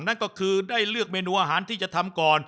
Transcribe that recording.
นั่นก็คือได้เลือกเมนูอาหารที่จะทำก่อน